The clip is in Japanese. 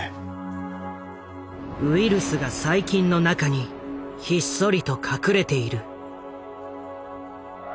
ウイルスが細菌の中にひっそりと隠れている。